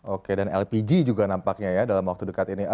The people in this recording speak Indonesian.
oke dan lpg juga nampaknya ya dalam waktu dekat ini